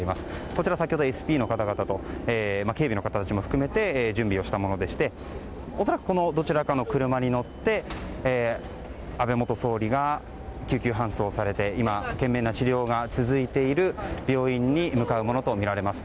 こちら、先ほどＳＰの方々と警備の方たちも含めて準備をしたものでして恐らくどちらかの車に乗って安倍元総理が救急搬送されて今、懸命な治療が続いている病院に向かうものとみられます。